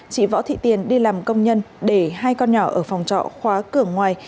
chị võ thị tiền đi làm công nhân để hai con nhỏ ở phòng trọ khóa cửa ngoài